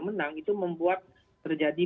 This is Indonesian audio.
menang itu membuat terjadi